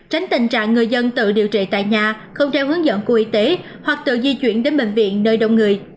tránh tình trạng người dân tự điều trị tại nhà không theo hướng dẫn của y tế hoặc tự di chuyển đến bệnh viện nơi đông người